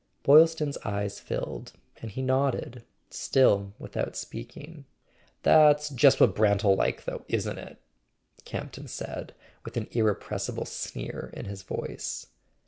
Boylston's eyes filled, and he nodded, still without speaking. "That's just what Brant'll like though, isn't it?" Campton said, with an irrepressible sneer in his voice.